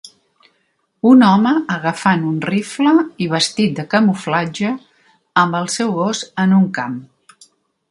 Un home agafant un rifle i vestit de camuflatge amb el seu gos en un camp.